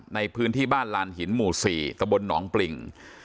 ในพื้นที่บ้านลานหินหมู่๔ตะบนหนองปริง